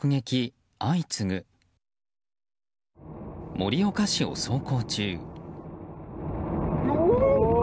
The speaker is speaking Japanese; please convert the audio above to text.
盛岡市を走行中。